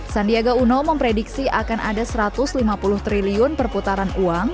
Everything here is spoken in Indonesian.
sandiaga uno memprediksi akan ada satu ratus lima puluh triliun perputaran uang